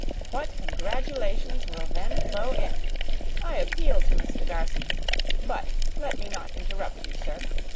What congratulations will then flow in! I appeal to Mr. Darcy; but let me not interrupt you, sir.